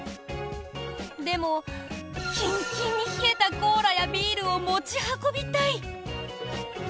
でも、キンキンに冷えたコーラやビールを持ち運びたい！